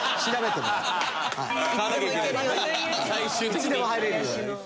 いつでも入れるように。